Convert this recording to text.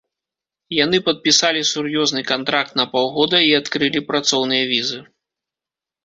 Яны падпісалі сур'ёзны кантракт на паўгода і адкрылі працоўныя візы.